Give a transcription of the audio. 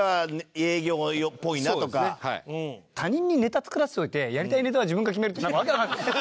他人にネタ作らせておいてやりたいネタは自分が決めるってなんかわけわかんない。